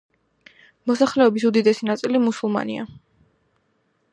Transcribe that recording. მოსახლეობის უდიდესი ნაწილი მუსულმანია.